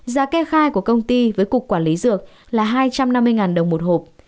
giá kê khai của công ty với cục quản lý dược là hai trăm năm mươi đồng một hộp